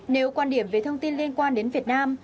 nếu quan điểm về thông tin liên quan đến việt nam